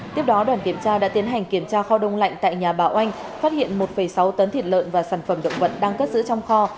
tiếp đó đoàn kiểm tra đã tiến hành kiểm tra kho đông lạnh tại nhà bảo oanh phát hiện một sáu tấn thịt lợn và sản phẩm động vật đang cất giữ trong kho